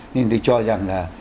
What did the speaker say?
nên tôi cho rằng là